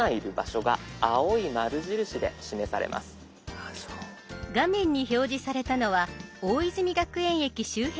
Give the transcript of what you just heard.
そうすると画面に表示されたのは大泉学園駅周辺の地図。